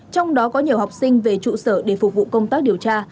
trong đó có nhiều học sinh về trụ sở để phục vụ công tác điều tra